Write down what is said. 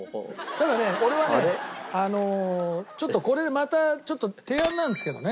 ただね俺はねあのちょっとこれまた提案なんですけどねお二人に。